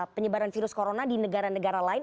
penyebaran virus corona di negara negara lain